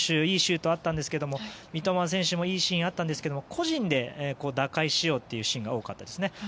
いいシュートありましたが三笘選手もいいシーンがあったんですが個人で打開しようというシーンが多かったですね。